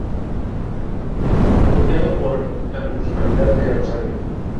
Apoyado por la Municipalidad de Rosario.